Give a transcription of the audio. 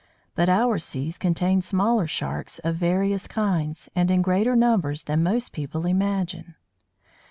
But our seas contain smaller Sharks of various kinds, and in greater number than most people imagine.